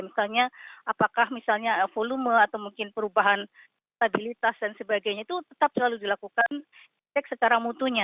misalnya apakah misalnya volume atau mungkin perubahan stabilitas dan sebagainya itu tetap selalu dilakukan cek secara mutunya